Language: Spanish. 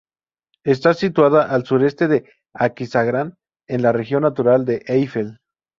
Está situada al sureste de Aquisgrán, en la región natural de Eifel.